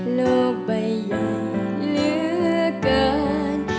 โลกไปอยู่เหลือเกิน